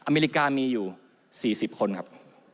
อเมริกามีอยู่๔๐คนครับ